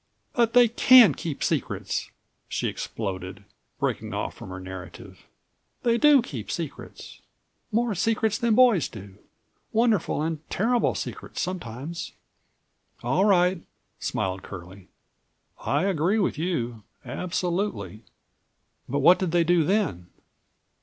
"But they can keep secrets!" she exploded, breaking off from her narrative. "They do keep secrets—more secrets than boys do. Wonderful and terrible secrets sometimes!" "All right," smiled Curlie, "I agree with you, absolutely, but what did they do then?"